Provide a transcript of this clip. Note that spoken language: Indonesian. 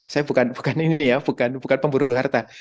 saya bukan pemburu harta